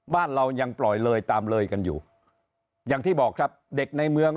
บ้านเรายังปล่อยเลยตามเลยกันอยู่อย่างที่บอกครับเด็กในเมือง